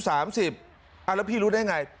อ้าวแล้วพี่รู้ได้ไง